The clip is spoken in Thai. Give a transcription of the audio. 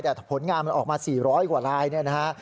แต่ผลงานมันออกมาสี่ร้อยกว่ารายเนี่ยนะฮะ